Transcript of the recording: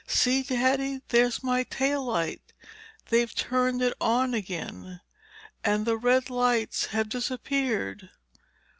"See, Daddy! There's my tail light! They've turned it on again. And the red lights have disappeared."